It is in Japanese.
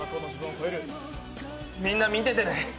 みんな、見ててね。